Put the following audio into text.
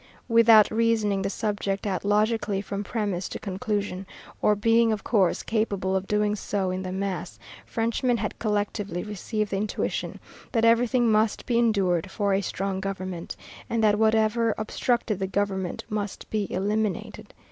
Without reasoning the subject out logically from premise to conclusion, or being, of course, capable of doing so in the mass, Frenchmen had collectively received the intuition that everything must be endured for a strong government, and that whatever obstructed that government must be eliminated.